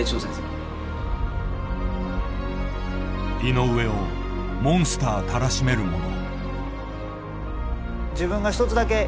井上をモンスターたらしめるもの。